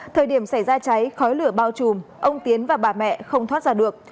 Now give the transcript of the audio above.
thời điểm xảy ra cháy khói lửa bao trùm ông tiến và bà mẹ không thoát ra được